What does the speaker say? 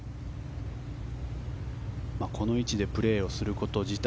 この位置でプレーすること自体